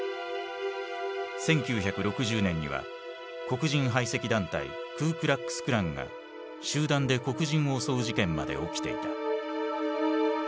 １９６０年には黒人排斥団体クー・クラックス・クランが集団で黒人を襲う事件まで起きていた。